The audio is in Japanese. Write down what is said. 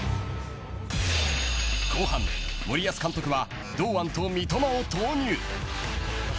後半、森保監督は堂安と三笘を投入。